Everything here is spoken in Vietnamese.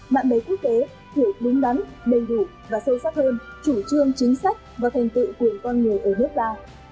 mạng đầy quốc tế thiểu đúng đắn đầy đủ và sâu sắc hơn chủ trương chính sách và thành tựu quyền con người ở nước ta